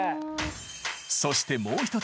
そしてもう１つ。